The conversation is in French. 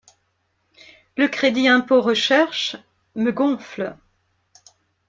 Le crédit impôt recherche me gonfle.